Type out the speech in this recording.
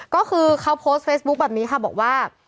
ก็คือเขาโพสต์เฟซบุ๊คแบบนี้ค่ะบอกว่า